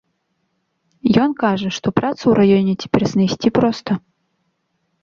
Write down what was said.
Ён кажа, што працу ў раёне цяпер знайсці проста.